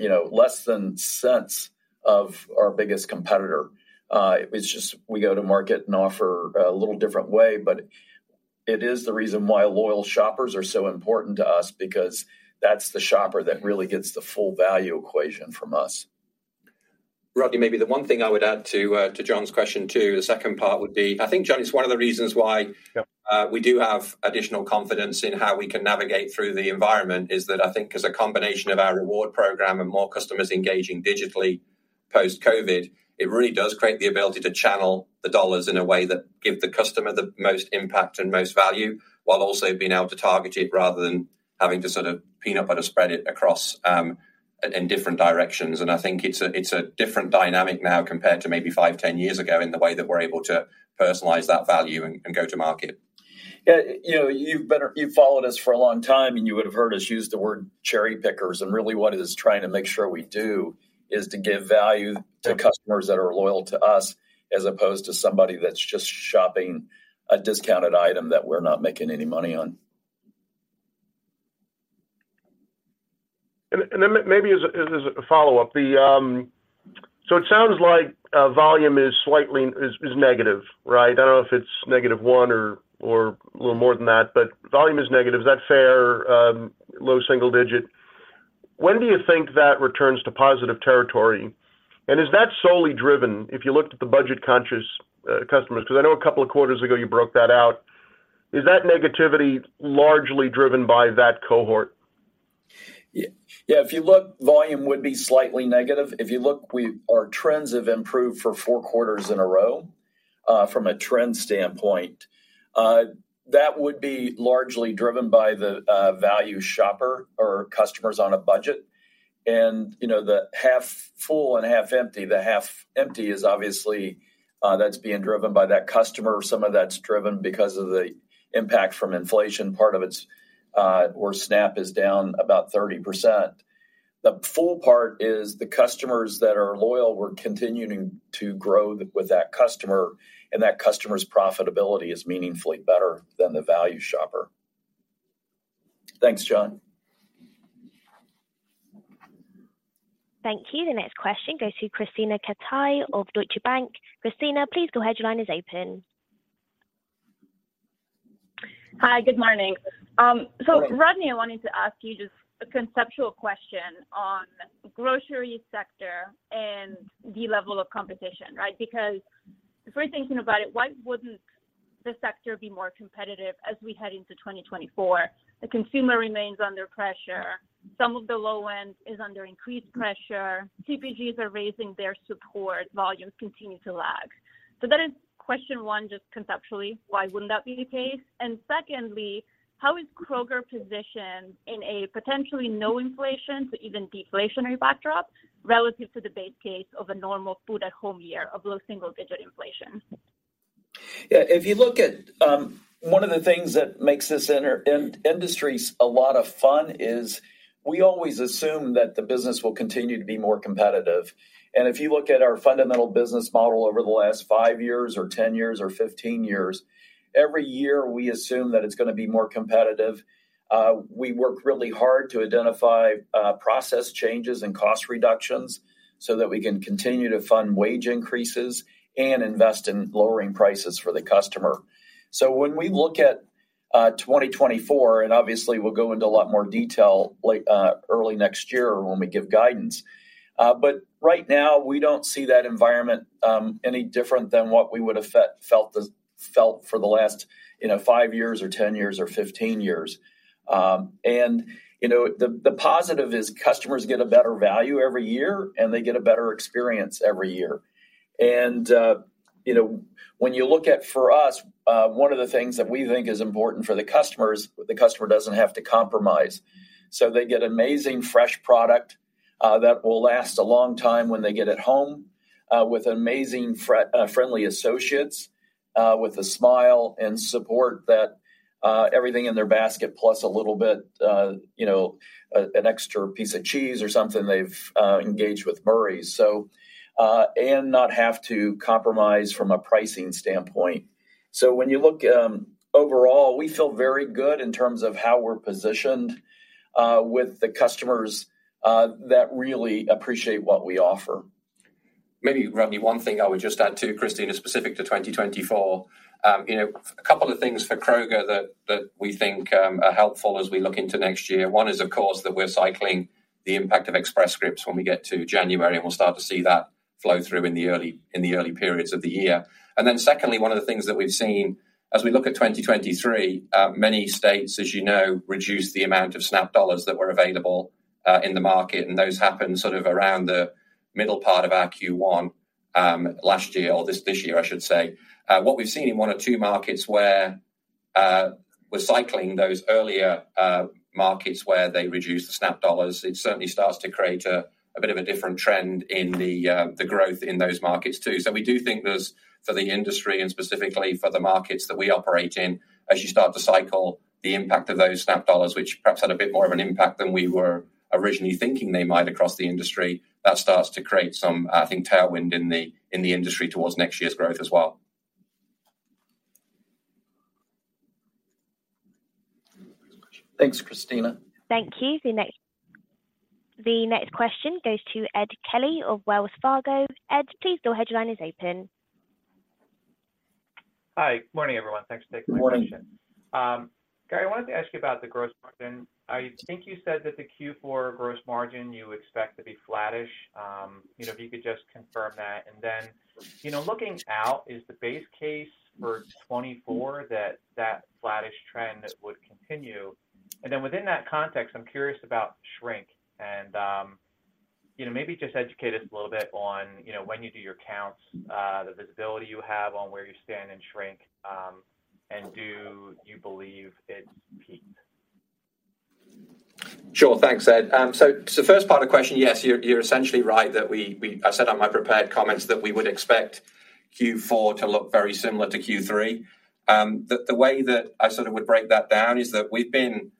you know, less than cents of our biggest competitor. It's just we go to market and offer a little different way, but it is the reason why loyal shoppers are so important to us, because that's the shopper that really gets the full value equation from us. Rodney, maybe the one thing I would add to John's question, too, the second part, would be, I think, John, it's one of the reasons why... Yep... we do have additional confidence in how we can navigate through the environment, is that I think as a combination of our reward program and more customers engaging digitally post-COVID, it really does create the ability to channel the dollars in a way that give the customer the most impact and most value, while also being able to target it, rather than having to sort of peanut butter spread it across, in different directions. And I think it's a different dynamic now compared to maybe 5, 10 years ago, in the way that we're able to personalize that value and go to market. Yeah, you know, you've been following us for a long time, and you would have heard us use the word cherry pickers, and really what it is trying to make sure we do is to give value to customers that are loyal to us, as opposed to somebody that's just shopping a discounted item that we're not making any money on. Then maybe as a follow-up. So it sounds like volume is slightly negative, right? I don't know if it's -1 or a little more than that, but volume is negative. Is that fair? Low single digit. When do you think that returns to positive territory? And is that solely driven, if you looked at the budget-conscious customers? Because I know a couple of quarters ago you broke that out. Is that negativity largely driven by that cohort? Yeah. Yeah, if you look, volume would be slightly negative. If you look, our trends have improved for four quarters in a row, from a trend standpoint. That would be largely driven by the value shopper or customers on a budget. And, you know, the half full and half empty, the half empty is obviously that's being driven by that customer. Some of that's driven because of the impact from inflation. Part of it's where SNAP is down about 30%. The full part is the customers that are loyal, we're continuing to grow with that customer, and that customer's profitability is meaningfully better than the value shopper. Thanks, John. Thank you. The next question goes to Krisztina Katai of Deutsche Bank. Krisztina, please go ahead. Your line is open. Hi, good morning. So Rodney, I wanted to ask you just a conceptual question on grocery sector and the level of competition, right? Because if we're thinking about it, why wouldn't the sector be more competitive as we head into 2024? The consumer remains under pressure. Some of the low end is under increased pressure. CPGs are raising their support, volumes continue to lag. So that is question one, just conceptually, why wouldn't that be the case? And secondly, how is Kroger positioned in a potentially no inflation to even deflationary backdrop, relative to the base case of a normal food-at-home year of low single-digit inflation?... Yeah, if you look at, one of the things that makes this industry a lot of fun is we always assume that the business will continue to be more competitive. And if you look at our fundamental business model over the last five years, or 10 years, or 15 years, every year, we assume that it's gonna be more competitive. We work really hard to identify, process changes and cost reductions, so that we can continue to fund wage increases and invest in lowering prices for the customer. So when we look at 2024, and obviously, we'll go into a lot more detail later, early next year when we give guidance, but right now, we don't see that environment any different than what we would have felt for the last, you know, five years, or 10 years, or 15 years. And, you know, the positive is customers get a better value every year, and they get a better experience every year. And, you know, when you look at, for us, one of the things that we think is important for the customers, the customer doesn't have to compromise. So they get amazing fresh product that will last a long time when they get it home with amazing friendly associates with a smile and support that everything in their basket, plus a little bit, you know, an extra piece of cheese or something, they've engaged with Murray's, so... And not have to compromise from a pricing standpoint. So when you look overall, we feel very good in terms of how we're positioned with the customers that really appreciate what we offer. Maybe, Rodney, one thing I would just add, too, Christine, specific to 2024. You know, a couple of things for Kroger that we think are helpful as we look into next year. One is, of course, that we're cycling the impact of Express Scripts when we get to January, and we'll start to see that flow through in the early periods of the year. And then secondly, one of the things that we've seen as we look at 2023, many states, as you know, reduced the amount of SNAP dollars that were available in the market, and those happened sort of around the middle part of our Q1, last year or this year, I should say. What we've seen in one or two markets where we're cycling those earlier markets where they reduced the SNAP dollars, it certainly starts to create a bit of a different trend in the growth in those markets, too. So we do think there's, for the industry and specifically for the markets that we operate in, as you start to cycle the impact of those SNAP dollars, which perhaps had a bit more of an impact than we were originally thinking they might across the industry, that starts to create some, I think, tailwind in the industry towards next year's growth as well. Thanks, Christina. Thank you. The next question goes to Ed Kelly of Wells Fargo. Ed, please, your line is open. Hi. Morning, everyone. Thanks for taking my question. Morning. Gary, I wanted to ask you about the gross margin. I think you said that the Q4 gross margin, you expect to be flattish. You know, if you could just confirm that, and then, you know, looking out, is the base case for 2024, that that flattish trend would continue? And then within that context, I'm curious about shrink and, you know, maybe just educate us a little bit on, you know, when you do your counts, the visibility you have on where you stand in shrink, and do you believe it's peaked? Sure, thanks, Ed. So first part of the question, yes, you're essentially right that we. I said on my prepared comments that we would expect Q4 to look very similar to Q3. The way that I sort of would break that down is that we've been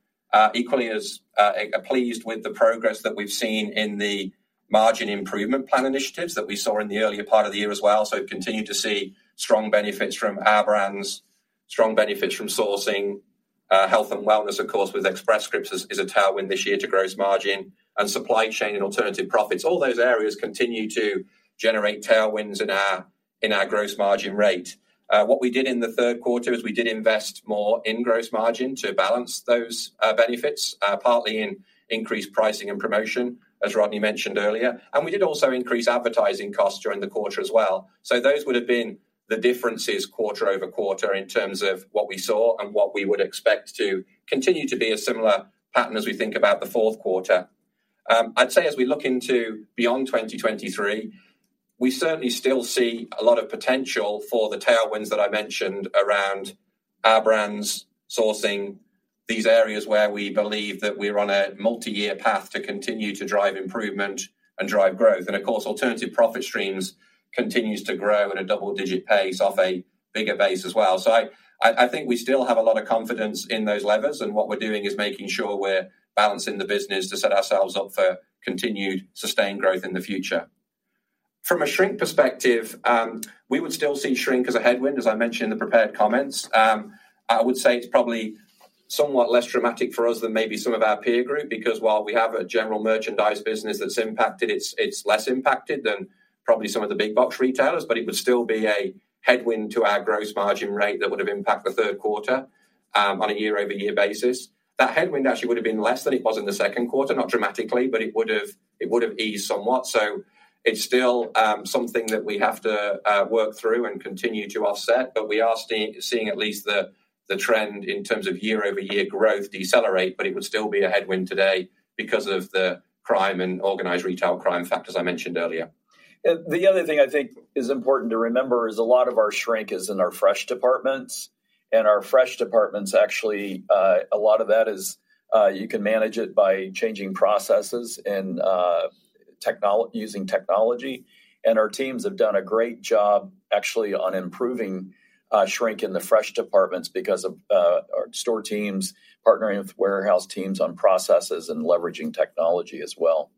equally as pleased with the progress that we've seen in the margin improvement plan initiatives that we saw in the earlier part of the year as well. So we've continued to see strong benefits from our brands, strong benefits from sourcing, health and wellness, of course, with Express Scripts is a tailwind this year to gross margin and supply chain and alternative profits. All those areas continue to generate tailwinds in our gross margin rate. What we did in the third quarter is we did invest more in gross margin to balance those benefits, partly in increased pricing and promotion, as Rodney mentioned earlier. And we did also increase advertising costs during the quarter as well. So those would have been the differences quarter-over-quarter in terms of what we saw and what we would expect to continue to be a similar pattern as we think about the fourth quarter. I'd say as we look into beyond 2023, we certainly still see a lot of potential for the tailwinds that I mentioned around our brands sourcing these areas where we believe that we're on a multi-year path to continue to drive improvement and drive growth. And of course, alternative profit streams continues to grow at a double-digit pace off a bigger base as well. So I think we still have a lot of confidence in those levers, and what we're doing is making sure we're balancing the business to set ourselves up for continued sustained growth in the future. From a shrink perspective, we would still see shrink as a headwind, as I mentioned in the prepared comments. I would say it's probably somewhat less dramatic for us than maybe some of our peer group, because while we have a general merchandise business that's impacted, it's less impacted than probably some of the big box retailers, but it would still be a headwind to our gross margin rate that would have impacted the third quarter, on a year-over-year basis. That headwind actually would have been less than it was in the second quarter, not dramatically, but it would've eased somewhat. So it's still something that we have to work through and continue to offset, but we are seeing at least the trend in terms of year-over-year growth decelerate, but it would still be a headwind today because of the crime and Organized Retail Crime factors I mentioned earlier. The other thing I think is important to remember is a lot of our shrink is in our fresh departments. And our fresh departments, actually, a lot of that is you can manage it by changing processes and using technology. And our teams have done a great job actually on improving shrink in the fresh departments because of our store teams partnering with warehouse teams on processes and leveraging technology as well.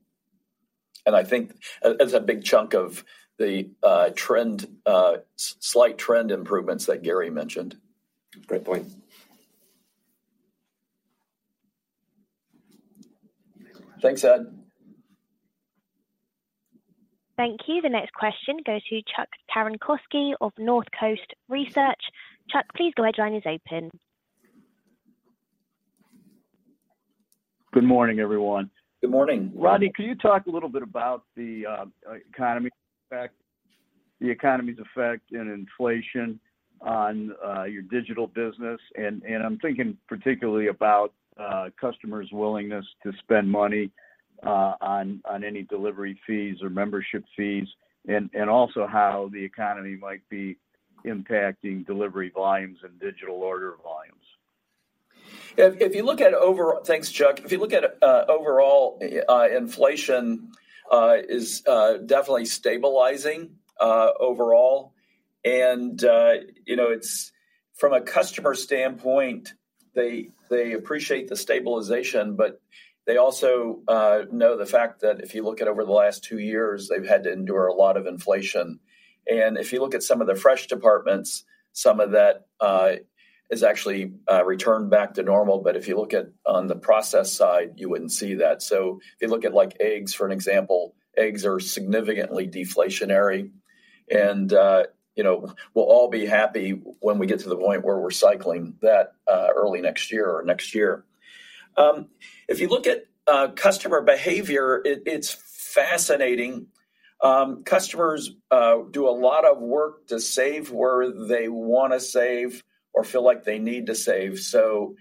And I think that's a big chunk of the trend, slight trend improvements that Gary mentioned. Great point. Thanks, Ed. Thank you. The next question goes to Chuck Cerankosky of Northcoast Research. Chuck, please go ahead, your line is open. Good morning, everyone. Good morning. Rodney, can you talk a little bit about the economy effect, the economy's effect in inflation on your digital business? And I'm thinking particularly about customers' willingness to spend money on any delivery fees or membership fees, and also how the economy might be impacting delivery volumes and digital order volumes. If you look at overall... Thanks, Chuck. If you look at overall inflation, it is definitely stabilizing overall. And you know, it's from a customer standpoint, they appreciate the stabilization, but they also know the fact that if you look at over the last two years, they've had to endure a lot of inflation. And if you look at some of the fresh departments, some of that is actually returned back to normal. But if you look at on the process side, you wouldn't see that. So if you look at, like, eggs, for an example, eggs are significantly deflationary. And you know, we'll all be happy when we get to the point where we're cycling that early next year or next year. If you look at customer behavior, it's fascinating. Customers do a lot of work to save where they wanna save or feel like they need to save. So,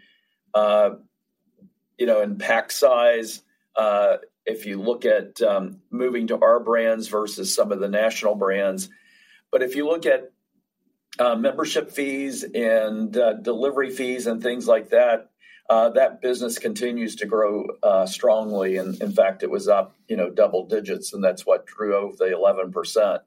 you know, in pack size, if you look at moving to our brands versus some of the national brands. But if you look at membership fees and delivery fees and things like that, that business continues to grow strongly. And in fact, it was up, you know, double digits, and that's what drove the 11%.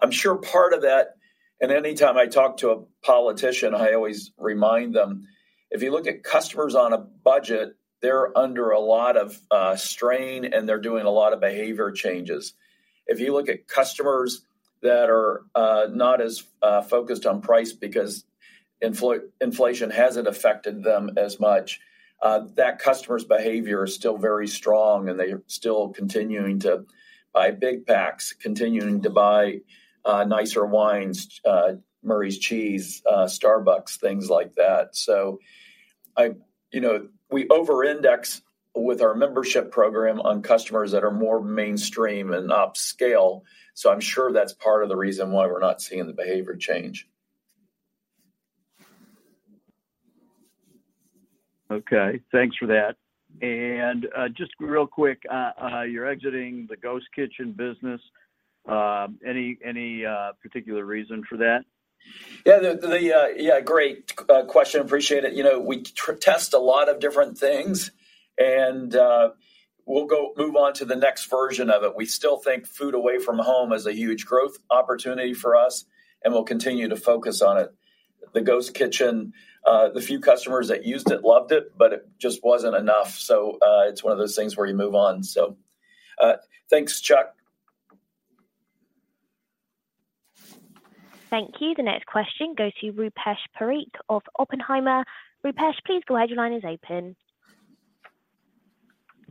I'm sure part of that, and anytime I talk to a politician, I always remind them, if you look at customers on a budget, they're under a lot of strain, and they're doing a lot of behavior changes. If you look at customers that are not as focused on price because inflation hasn't affected them as much, that customer's behavior is still very strong, and they're still continuing to buy big packs, continuing to buy nicer wines, Murray's Cheese, Starbucks, things like that. So I... You know, we over-index with our membership program on customers that are more mainstream and upscale, so I'm sure that's part of the reason why we're not seeing the behavior change. Okay, thanks for that. Just real quick, you're exiting the ghost kitchen business. Any particular reason for that? Yeah, yeah, great question. Appreciate it. You know, we test a lot of different things, and we'll go move on to the next version of it. We still think food away from home is a huge growth opportunity for us, and we'll continue to focus on it. The ghost kitchen, the few customers that used it loved it, but it just wasn't enough. So, it's one of those things where you move on. So, thanks, Chuck. Thank you. The next question goes to Rupesh Parikh of Oppenheimer. Rupesh, please go ahead. Your line is open.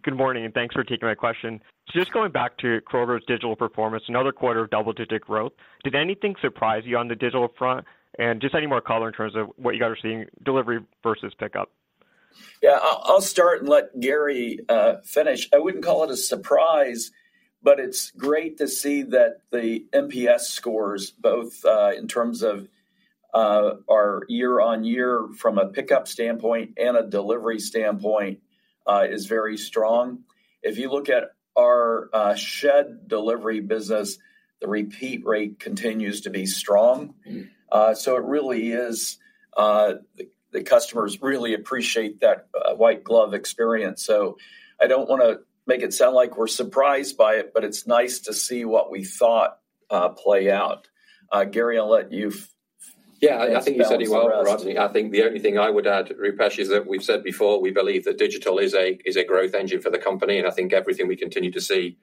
Good morning, and thanks for taking my question. So just going back to Kroger's digital performance, another quarter of double-digit growth. Did anything surprise you on the digital front? And just any more color in terms of what you guys are seeing, delivery versus pickup? Yeah, I'll, I'll start and let Gary finish. I wouldn't call it a surprise, but it's great to see that the NPS scores, both, in terms of, our year-on-year from a pickup standpoint and a delivery standpoint, is very strong. If you look at our, Shed delivery business, the repeat rate continues to be strong. Mm-hmm. So it really is, the customers really appreciate that white glove experience. So I don't wanna make it sound like we're surprised by it, but it's nice to see what we thought play out. Gary, I'll let you- Yeah, I think you said it well, Rodney. I think the only thing I would add, Rupesh, is that we've said before, we believe that digital is a growth engine for the company, and I think everything we continue to see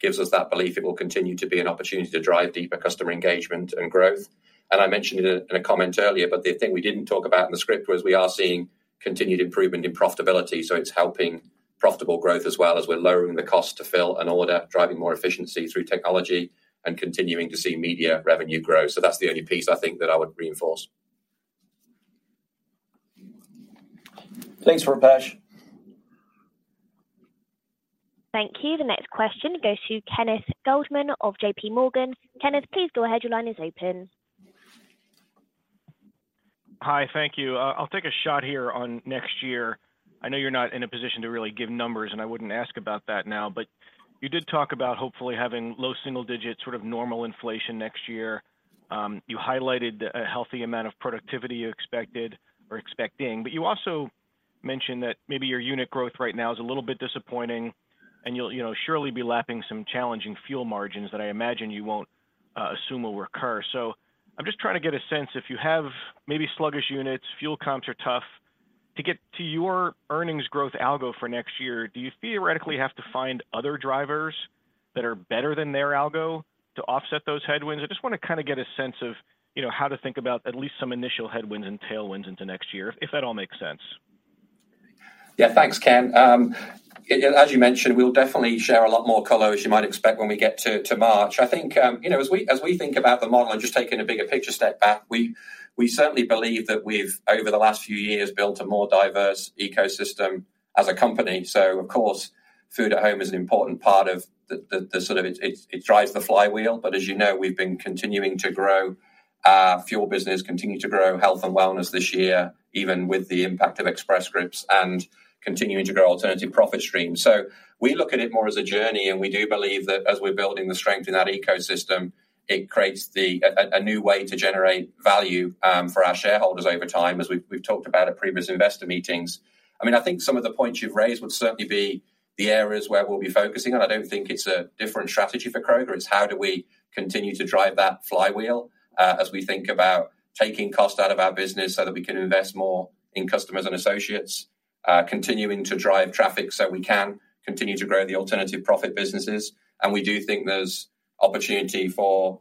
gives us that belief. It will continue to be an opportunity to drive deeper customer engagement and growth. And I mentioned it in a comment earlier, but the thing we didn't talk about in the script was we are seeing continued improvement in profitability, so it's helping profitable growth as well as we're lowering the cost to fill an order, driving more efficiency through technology, and continuing to see media revenue grow. So that's the only piece I think that I would reinforce. Thanks, Rupesh. Thank you. The next question goes to Ken Goldman of JPMorgan. Ken, please go ahead. Your line is open. Hi, thank you. I'll take a shot here on next year. I know you're not in a position to really give numbers, and I wouldn't ask about that now. But you did talk about hopefully having low single digits, sort of normal inflation next year. You highlighted a healthy amount of productivity you expected or expecting, but you also mentioned that maybe your unit growth right now is a little bit disappointing and you'll, you know, surely be lapping some challenging fuel margins that I imagine you won't assume will recur. So I'm just trying to get a sense, if you have maybe sluggish units, fuel comps are tough, to get to your earnings growth algo for next year, do you theoretically have to find other drivers that are better than their algo to offset those headwinds? I just want to kind of get a sense of, you know, how to think about at least some initial headwinds and tailwinds into next year, if that all makes sense? Yeah, thanks, Ken. As you mentioned, we'll definitely share a lot more color, as you might expect, when we get to March. I think, you know, as we think about the model and just taking a bigger picture step back, we certainly believe that we've, over the last few years, built a more diverse ecosystem as a company. So of course, food at home is an important part of the sort of it drives the flywheel. But as you know, we've been continuing to grow our fuel business, continuing to grow health and wellness this year, even with the impact of Express Scripts, and continuing to grow alternative profit streams. So we look at it more as a journey, and we do believe that as we're building the strength in that ecosystem, it creates a new way to generate value for our shareholders over time, as we've talked about at previous investor meetings. I mean, I think some of the points you've raised would certainly be the areas where we'll be focusing on. I don't think it's a different strategy for Kroger. It's how do we continue to drive that flywheel, as we think about taking cost out of our business so that we can invest more in customers and associates, continuing to drive traffic, so we can continue to grow the alternative profit businesses. We do think there's opportunity for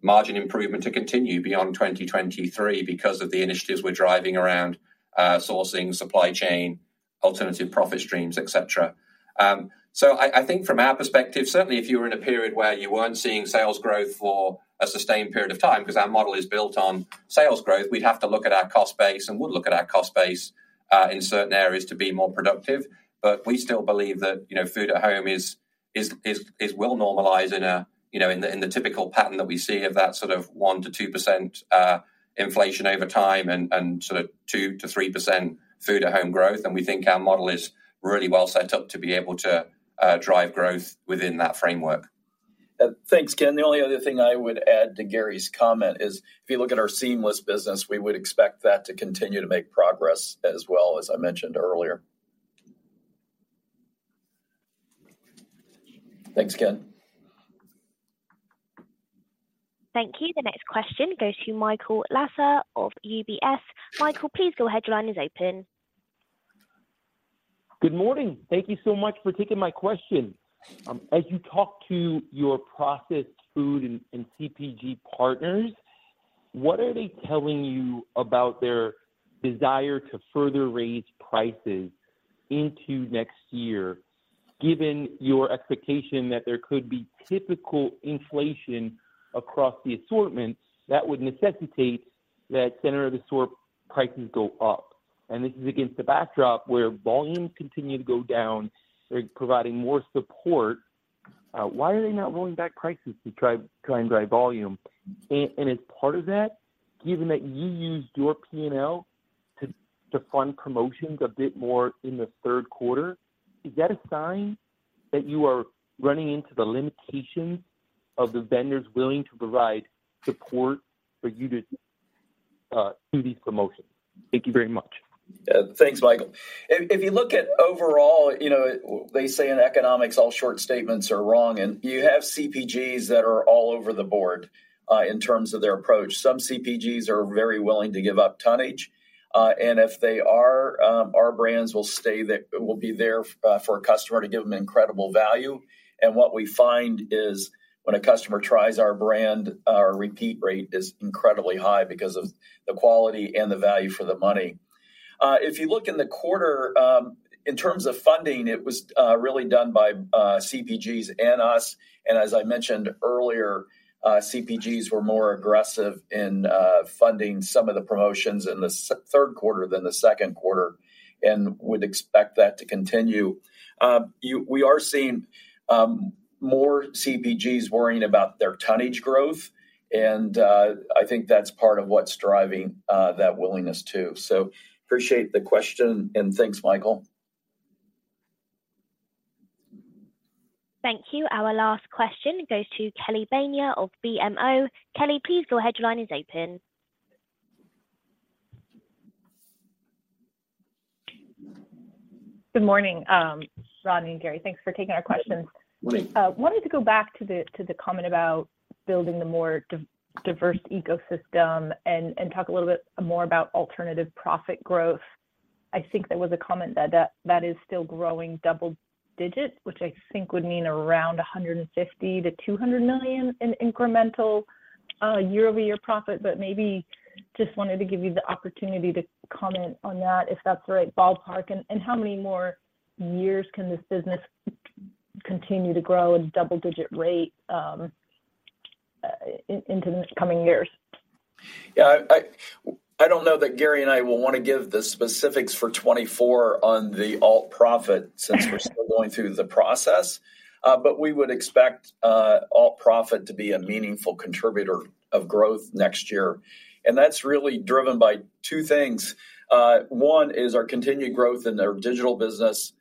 margin improvement to continue beyond 2023 because of the initiatives we're driving around sourcing, supply chain, alternative profit streams, et cetera. So I think from our perspective, certainly if you were in a period where you weren't seeing sales growth for a sustained period of time, because our model is built on sales growth, we'd have to look at our cost base, and would look at our cost base in certain areas to be more productive. But we still believe that, you know, food at home will normalize in a, you know, in the typical pattern that we see of that sort of 1%-2% inflation over time and sort of 2%-3% food at home growth. We think our model is really well set up to be able to drive growth within that framework. Thanks, Ken. The only other thing I would add to Gary's comment is, if you look at our seamless business, we would expect that to continue to make progress as well, as I mentioned earlier. Thanks, Ken. Thank you. The next question goes to Michael Lasser of UBS. Michael, please go ahead. Your line is open. Good morning. Thank you so much for taking my question. As you talk to your processed food and CPG partners, what are they telling you about their desire to further raise prices into next year, given your expectation that there could be typical inflation across the assortments that would necessitate that center of the store prices go up? And this is against the backdrop where volumes continue to go down, they're providing more support. Why are they not lowering back prices to drive, try and drive volume? And as part of that, given that you used your P&L to fund promotions a bit more in the third quarter, is that a sign that you are running into the limitations of the vendors willing to provide support for you to do these promotions? Thank you very much. Thanks, Michael. If you look at overall, you know, they say in economics, all short statements are wrong, and you have CPGs that are all over the board in terms of their approach. Some CPGs are very willing to give up tonnage, and if they are, our brands will stay there—will be there for a customer to give them incredible value. And what we find is when a customer tries our brand, our repeat rate is incredibly high because of the quality and the value for the money. If you look in the quarter, in terms of funding, it was really done by CPGs and us. And as I mentioned earlier, CPGs were more aggressive in funding some of the promotions in the third quarter than the second quarter, and would expect that to continue. We are seeing more CPGs worrying about their tonnage growth, and I think that's part of what's driving that willingness, too. So appreciate the question, and thanks, Michael. Thank you. Our last question goes to Kelly Bania of BMO. Kelly, please, your headline is open. Good morning, Rodney and Gary. Thanks for taking our questions. Good morning. Wanted to go back to the comment about building the more diverse ecosystem and talk a little bit more about alternative profit growth. I think there was a comment that that is still growing double digits, which I think would mean around $150 million-$200 million in incremental year-over-year profit. But maybe just wanted to give you the opportunity to comment on that, if that's the right ballpark, and how many more years can this business continue to grow at a double-digit rate.... into the coming years? Yeah, I don't know that Gary and I will want to give the specifics for 2024 on the alt profit, since we're still going through the process. But we would expect alt profit to be a meaningful contributor of growth next year. And that's really driven by two things. One is our continued growth in our digital business,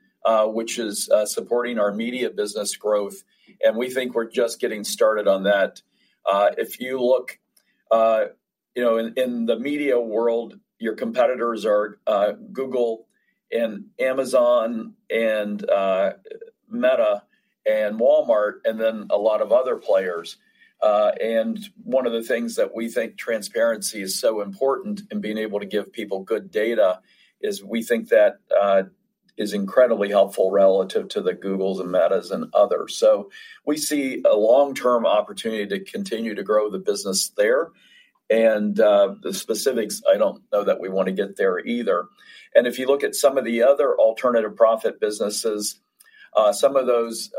which is supporting our media business growth, and we think we're just getting started on that. If you look, you know, in the media world, your competitors are Google and Amazon and Meta and Walmart, and then a lot of other players. And one of the things that we think transparency is so important in being able to give people good data is we think that is incredibly helpful relative to the Googles and Metas and others. So we see a long-term opportunity to continue to grow the business there, and the specifics, I don't know that we want to get there either. And if you look at some of the other alternative profit businesses, some of those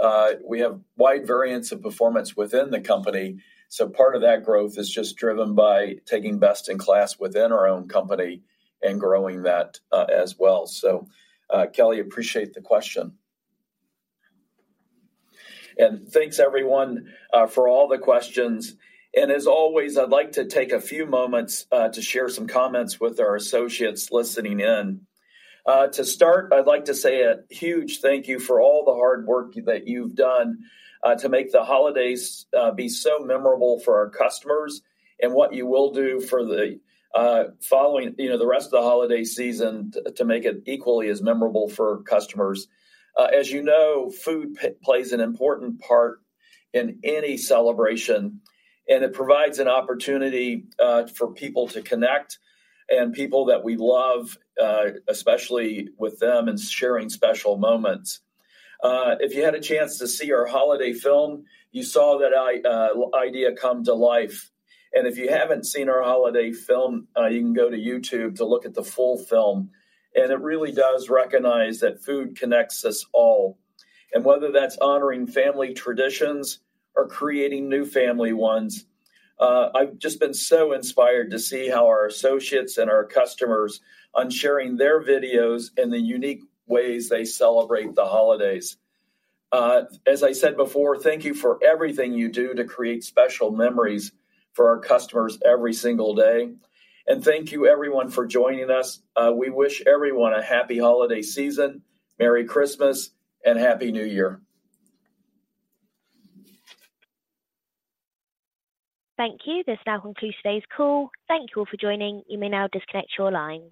we have wide variance of performance within the company, so part of that growth is just driven by taking best in class within our own company and growing that, as well. So, Kelly, appreciate the question. And thanks, everyone, for all the questions. And as always, I'd like to take a few moments to share some comments with our associates listening in. To start, I'd like to say a huge thank you for all the hard work that you've done to make the holidays be so memorable for our customers and what you will do for the following, you know, the rest of the holiday season to make it equally as memorable for customers. As you know, food plays an important part in any celebration, and it provides an opportunity for people to connect and people that we love, especially with them and sharing special moments. If you had a chance to see our holiday film, you saw that idea come to life. If you haven't seen our holiday film, you can go to YouTube to look at the full film. It really does recognize that food connects us all. Whether that's honoring family traditions or creating new family ones, I've just been so inspired to see how our associates and our customers on sharing their videos and the unique ways they celebrate the holidays. As I said before, thank you for everything you do to create special memories for our customers every single day. And thank you, everyone, for joining us. We wish everyone a happy holiday season, Merry Christmas, and happy New Year! Thank you. This now concludes today's call. Thank you all for joining. You may now disconnect your lines.